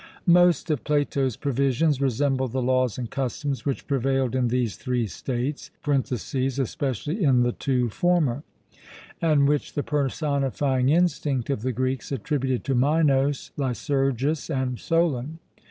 Most of Plato's provisions resemble the laws and customs which prevailed in these three states (especially in the two former), and which the personifying instinct of the Greeks attributed to Minos, Lycurgus, and Solon.